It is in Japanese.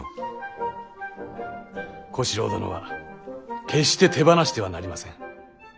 小四郎殿は決して手放してはなりません。